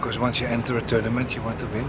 karena setelah anda masuk ke turnamen anda ingin menang